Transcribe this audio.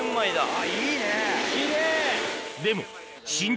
あー、いいね。